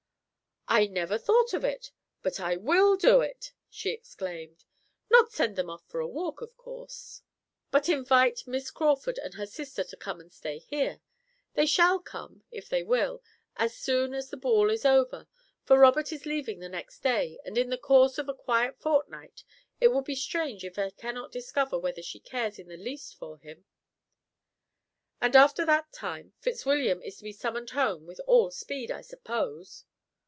"I never thought of it, but I will do it!" she exclaimed. "Not send them off for a walk, of course, but invite Miss Crawford and her sister to come and stay here. They shall come, if they will, as soon as the ball is over, for Robert is leaving the next day, and in the course of a quiet fortnight it will be strange if I cannot discover whether she cares in the least for him." "And after that time Fitzwilliam is to be summoned home with all speed, I suppose?"